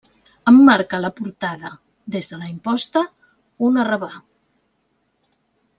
Emmarca la portada, des de la imposta, un arrabà.